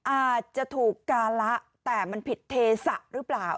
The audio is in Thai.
อาจจะถูกการะแต่มันผิดเทศะหรือเปล่า